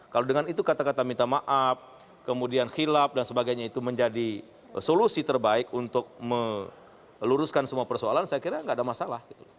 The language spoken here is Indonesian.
kalau dengan itu kata kata minta maaf kemudian hilaf dan sebagainya itu menjadi solusi terbaik untuk meluruskan semua persoalan saya kira nggak ada masalah